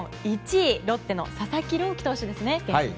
１位ロッテの佐々木朗希投手ですね。